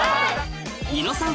ニノさん